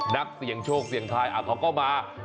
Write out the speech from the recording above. นักเสียงโชคเสียงไทยอาท้องเขาก็มา